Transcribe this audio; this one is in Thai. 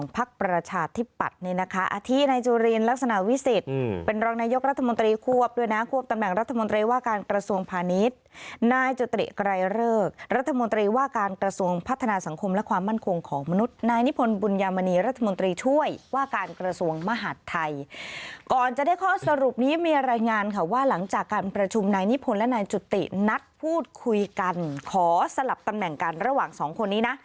พูดคุยกันขอสลับตำแหน่งกันระหว่างสองคนนี้นะ